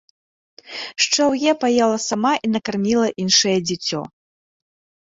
Шчаўе паела сама і накарміла іншае дзіцё.